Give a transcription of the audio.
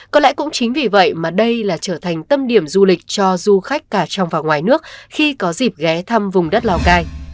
có lẽ cũng chính vì vậy mà đây là trở thành tâm điểm du lịch cho du khách cả trong và ngoài nước khi có dịp ghé thăm vùng đất lào cai